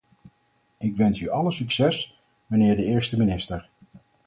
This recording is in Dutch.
Ik wens u alle succes, mijnheer de eerste minister!